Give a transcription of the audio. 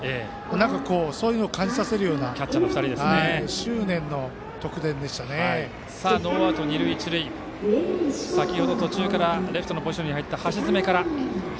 なんかそういうのを感じさせるようなノーアウト二塁一塁先程、途中からレフトのポジションに入った橋詰からです。